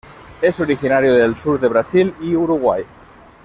Es originario del sur de Brasil y Uruguay.